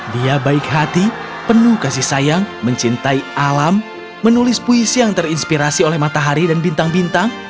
dia baik hati penuh kasih sayang mencintai alam menulis puisi yang terinspirasi oleh matahari dan bintang bintang